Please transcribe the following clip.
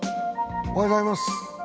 おはようございます。